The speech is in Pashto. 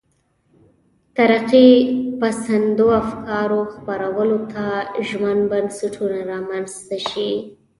ترقي پسندو افکارو خپرولو ته ژمن بنسټونه رامنځته شي.